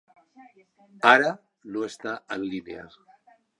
Ara no està en línia.